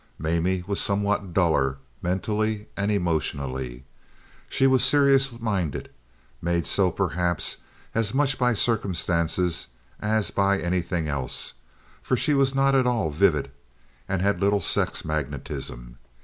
Mamie was somewhat duller mentally and emotionally. She was serious minded—made so, perhaps, as much by circumstances as by anything else, for she was not at all vivid, and had little sex magnetism.